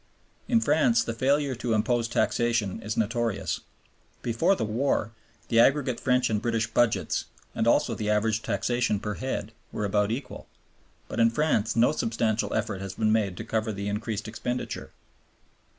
In France the failure to impose taxation is notorious. Before the war the aggregate French and British budgets, and also the average taxation per head, were about equal; but in France no substantial effort has been made to cover the increased expenditure.